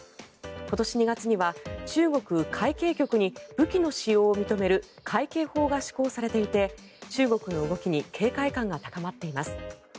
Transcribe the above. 今年２月には中国海警局に武器の使用を認める海警法が施行されていて中国の動きに警戒感が高まっています。